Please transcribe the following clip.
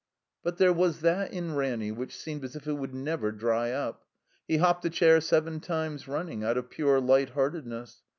But there was that in Ranny which seemed as if it would never dry up. He hopped a chair seven times running, out of pure light heartedness.